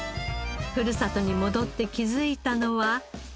ふるさとに戻って気づいたのは。